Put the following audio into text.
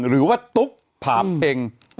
หรือว่าตุ๊กผ่ามเป็น